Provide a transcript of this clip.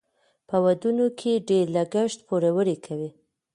په ودونو کې ډیر لګښت پوروړي کوي.